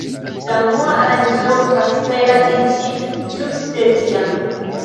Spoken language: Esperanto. La unua aranĝo kastela iĝis ĝuste tiam.